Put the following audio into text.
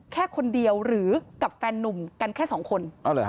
แค่คนเดียวหรือกับแฟนนุ่มกันแค่สองคน